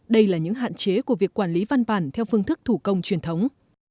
đây là những hạn chế của việc quản lý văn bản theo phương thức thủ công truyền thống